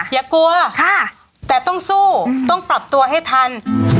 อย่ากลัวแต่ต้องสู้ต้องปรับตัวให้ทัน